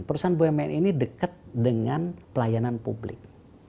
perusahaan bumn ini dekat dengan pelayanan publik